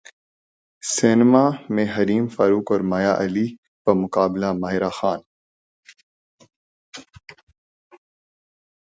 سینماں میں حریم فاروق اور مایا علی بمقابلہ ماہرہ خان